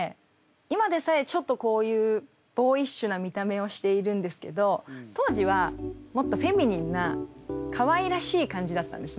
今でさえちょっとこういうボーイッシュな見た目をしているんですけど当時はもっとフェミニンなかわいらしい感じだったんですね。